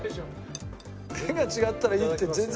画が違ったらいいって全然。